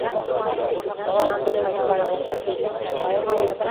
— Ни ти, ни ти?